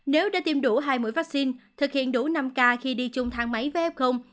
nếu đã tiêm đủ hai mũi vaccine thực hiện đủ năm k khi đi chung thang máy với f